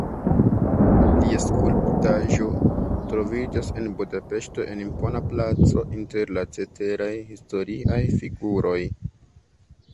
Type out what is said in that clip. Lia skulptaĵo troviĝas en Budapeŝto en impona placo inter la ceteraj historiaj figuroj.